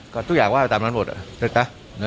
ก็ทุกอย่างว่าไปตามนั้นหมดนะจ๊ะ